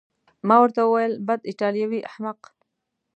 ما ورته وویل: بد، ایټالوی احمق.